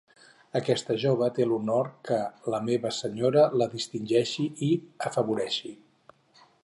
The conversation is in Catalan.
Aquesta jove té l'honor que la meva senyora la distingeixi i afavoreixi.